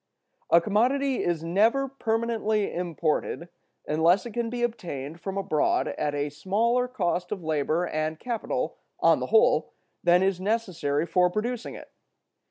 A commodity is never permanently imported, unless it can be obtained from abroad at a smaller cost of labor and capital, on the whole, than is necessary for producing it.